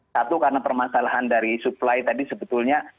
satu karena permasalahan dari supply tadi sebetulnya